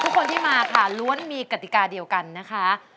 ทุกคนที่มาค่ะล้วนมีกติกาเดียวกันนะคะ